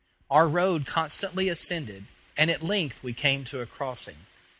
Our road constantly ascended, and at length we came to a crossing.